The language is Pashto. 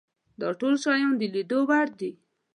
دا ټول شیان د لیدلو وړ دي.